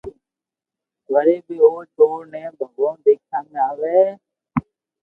وري بي او چور ني ڀگوان دآکيا ۾ آوي